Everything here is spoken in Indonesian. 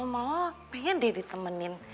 diagonal lu diri aja lanjut